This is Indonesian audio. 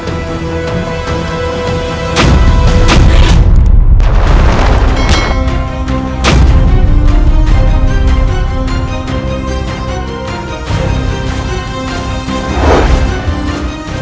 aku harus bersembunyi